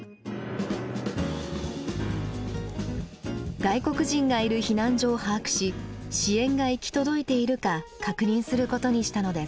外国人がいる避難所を把握し支援が行き届いているか確認することにしたのです。